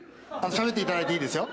しゃべっていただいていいですよ。